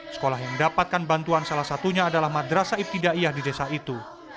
sekolah yang mendapatkan bantuan salah satunya adalah madrasah ibtidaiyah di desa itu